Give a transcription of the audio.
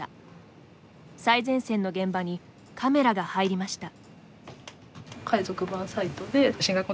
最前線の現場にカメラが入りました。